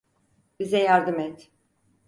Bize yardım et.